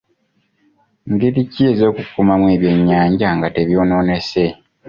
Ngeri ki ez'okukuumamu ebyennyanja nga tebyonoonese?